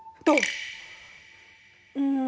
どう？